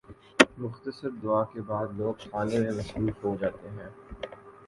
مختصر دعا کے بعد لوگ کھانے میں مصروف ہو جاتے ہیں۔